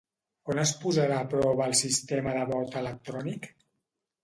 On es posarà a prova el sistema de vot electrònic?